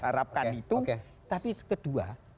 harapkan itu tapi kedua